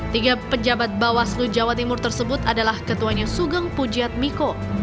tiga pejabat bawaslu jawa timur tersebut adalah ketuanya sugeng pujiat miko